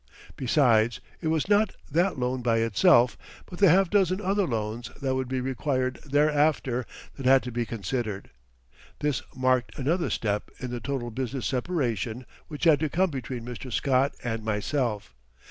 Besides, it was not that loan by itself, but the half dozen other loans that would be required thereafter that had to be considered. This marked another step in the total business separation which had to come between Mr. Scott and myself.